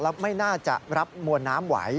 แล้วไม่น่าจะรับมวลน้ำไหว